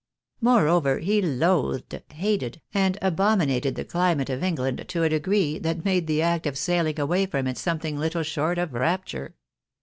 Moreover, he loathed, hated, and abomi nated the climate of England to a degree, that made the act of sailing away from it something little short of rapture.